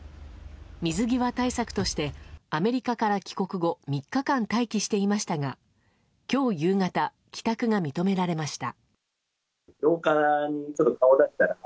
水際対策としてアメリカから帰国後３日間待機していましたが今日夕方、帰宅が認められました。